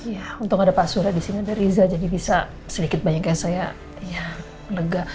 ya untung ada pak surya di sini ada riza jadi bisa sedikit banyak kayak saya ya nega